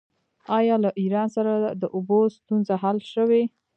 آیا له ایران سره د اوبو ستونزه حل شوې؟